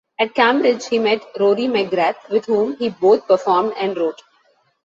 At Cambridge he met Rory McGrath with whom he both performed and wrote.